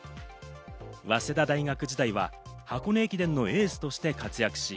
早稲田大学時代は箱根駅伝のエースとして活躍し、